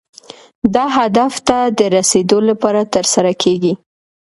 دا هدف ته د رسیدو لپاره ترسره کیږي.